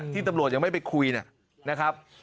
ตำรวจยังไม่ไปคุยนะครับ